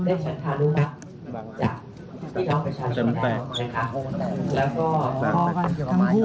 ได้ฉันธานุมัติจากพี่น้องประชาชน